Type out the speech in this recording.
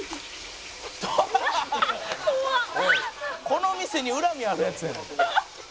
「この店に恨みあるヤツやねん」